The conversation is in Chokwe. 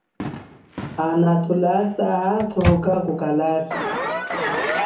Ana thulasa hathuka kukalasa.